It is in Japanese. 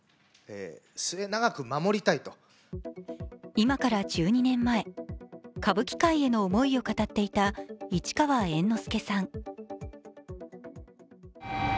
今から１２年前、歌舞伎界への思いを語っていた市川猿之助さん。